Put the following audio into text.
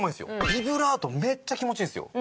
ビブラートめっちゃ気持ちいいんですよ。